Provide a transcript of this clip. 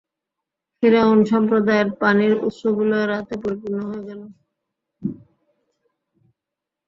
ফিরআউন সম্প্রদায়ের পানির উৎসগুলো রক্তে পরিপূর্ণ হয়ে গেল।